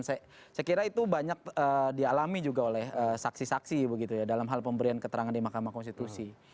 saya kira itu banyak dialami juga oleh saksi saksi begitu ya dalam hal pemberian keterangan di mahkamah konstitusi